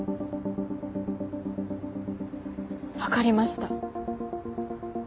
わかりました。